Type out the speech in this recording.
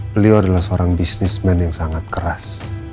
beliau adalah seorang bisnismen yang sangat keras